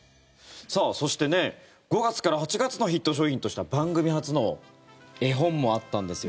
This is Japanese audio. そして、５月から８月のヒット商品としては番組初の絵本もあったんですよ